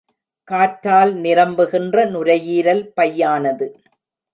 காற்றால் நிரம்புகின்ற நுரையீரல் பையானது.